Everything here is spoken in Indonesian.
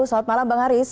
saat malam bang haris